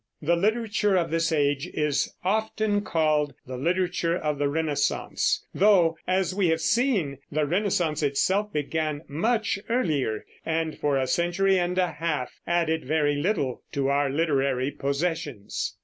The literature of this age is often called the literature of the Renaissance, though, as we have seen, the Renaissance itself began much earlier, and for a century and a half added very little to our literary possessions.